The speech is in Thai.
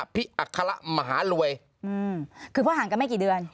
อัคระมหารวยคือเพราะห่างกันไม่กี่เดือน